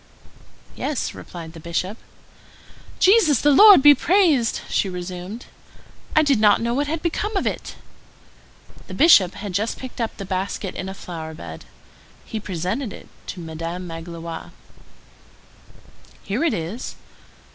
"Yes," replied the Bishop. "Jesus the Lord be blessed!" she resumed; "I did not know what had become of it." The Bishop had just picked up the basket in a flower bed. He presented it to Madame Magloire. "Here it is."